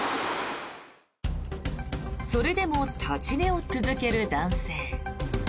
それでも立ち寝を続ける男性。